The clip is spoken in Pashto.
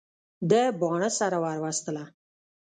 ده باڼه سره ور وستله.